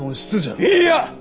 いいや！